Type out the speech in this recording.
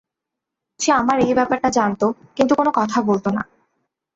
সে আমার এই ব্যাপারটা জানত, কিন্তু কোনো কথা বলত না।